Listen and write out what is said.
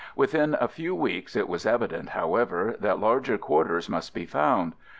Within a few weeks it was evident, how ever, that larger quarters must be found.